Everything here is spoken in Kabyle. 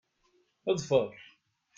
Ḍfeṛ!